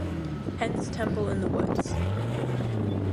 Hence temple in the woods.